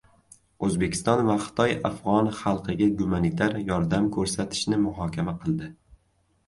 O‘zbekiston va Xitoy afg‘on xalqiga gumanitar yordam ko‘rsatishni muhokama qildi